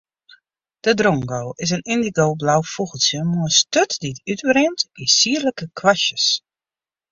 De drongo is in yndigoblau fûgeltsje mei in sturt dy't útrint yn sierlike kwastjes.